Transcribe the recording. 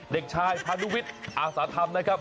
เด็กชายพานุวิทย์อาสาธรรมนะครับ